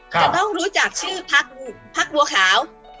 จะต้องรู้จักชื่อพักบัวขาว